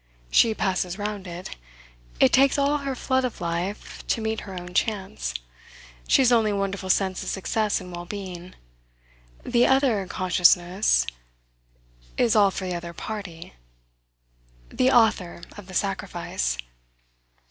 She passes round it. It takes all her flood of life to meet her own chance. She has only a wonderful sense of success and well being. The other consciousness " "Is all for the other party?" "The author of the sacrifice."